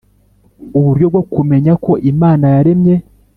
Uburyo bwo kumenya ko Imana yaremye